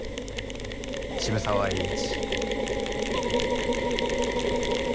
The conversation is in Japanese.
渋沢栄一」。